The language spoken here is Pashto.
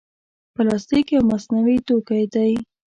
پلاستيک یو مصنوعي توکي دی.